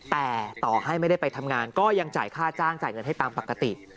แต่ต่อให้ไม่ได้ไปทำงานก็ยังจ่ายค่าจ้างจ่ายเงินให้ตามปกติ